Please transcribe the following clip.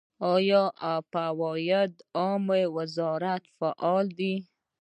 آیا د فواید عامې وزارت فعال دی؟